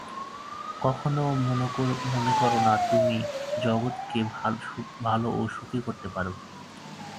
কখনও মনে কর না, তুমি জগৎকে ভাল ও সুখী করতে পার।